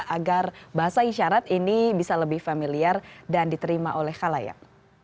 agar bahasa isyarat ini bisa lebih familiar dan diterima oleh halayak